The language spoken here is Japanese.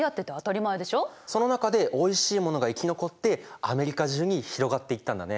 その中でおいしいものが生き残ってアメリカ中に広がっていったんだね。